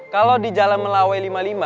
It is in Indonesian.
kalau di jalan melawe lima puluh lima